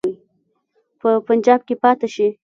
په پنجاب کې پاته شي.